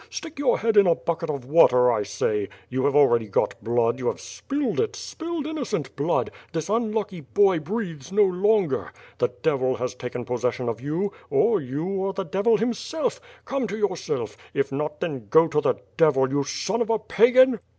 Stick your head in a bucket of water, I say. You have already got blood; you have spilled it, spilled innocent blood, this unlucky boy breathes no lon ger. The devil has taken possesson of you — or you are the devil himself; come to yourself, if not, then go to the devil, you son of a Pagan!"